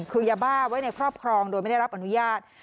คือยาบ้าไว้ในครอบครองโดยไม่ได้รับอนุญาต